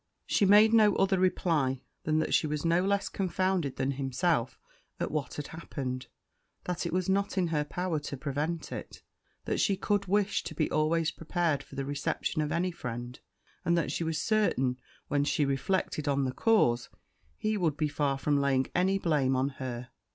She made no other reply than that she was no less confounded than himself at what had happened that it was not in her power to prevent it that she could wish to be always prepared for the reception of any friend and that she was certain, when he reflected on the cause, he would be far from laying any blame on her.